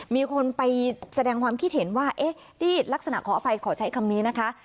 มีคนไปแสดงความคิดเห็นว่าเอ๊ะที่ลักษณะขออภัยขอใช้คำนี้นะคะ